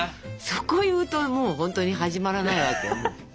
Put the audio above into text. そこ言うともう本当に始まらないわけよ。